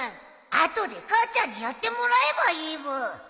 後で母ちゃんにやってもらえばいいブー